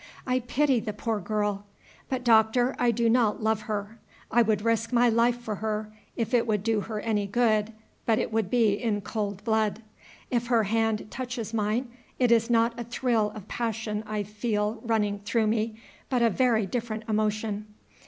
I pity the poor girl; but, Doctor, I do not love her. I would risk my life for her, if it would do her any good, but it would be in cold blood. If her hand touches mine, it is not a thrill of passion I feel running through me, but a very different emotion.